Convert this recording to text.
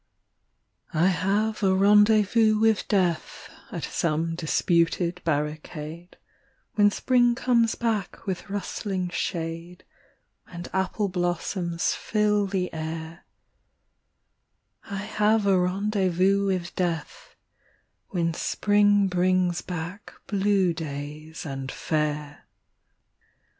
I have a rendezvous with Death At some disputed barricade, When Spring comes back with rustling shade And apple blossoms fill the air I have a rendezvous with Death When Spring brings back blue days and fair.